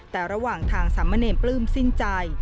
แต่ระหว่างทางสามเณรปลื้มสิ้นใจ